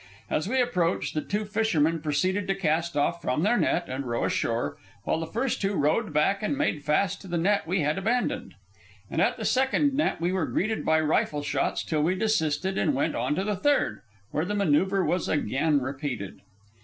As we approached, the two fishermen proceeded to cast off from their net and row ashore, while the first two rowed back and made fast to the net we had abandoned. And at the second net we were greeted by rifle shots till we desisted and went on to the third, where the manoeuvre was again repeated.